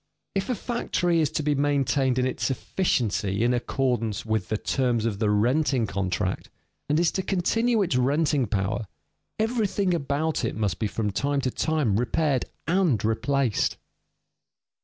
If a factory is to be maintained in its efficiency in accordance with the terms of the renting contract, and is to continue its renting power, everything about it must be from time to time repaired and replaced.